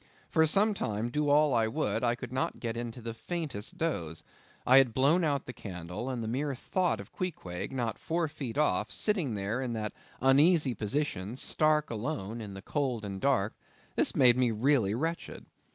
For some time, do all I would, I could not get into the faintest doze. I had blown out the candle; and the mere thought of Queequeg—not four feet off—sitting there in that uneasy position, stark alone in the cold and dark; this made me really wretched.